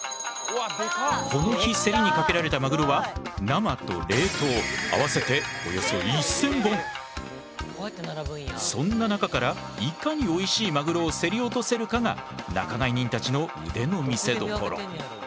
この日競りにかけられたマグロは生と冷凍合わせてそんな中からいかにおいしいマグロを競り落とせるかが仲買人たちの腕の見せどころ。